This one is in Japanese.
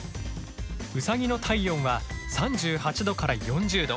ウサギの体温は３８度から４０度。